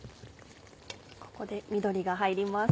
ここで緑が入ります。